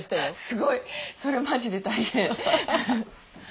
すごい！それマジで大変。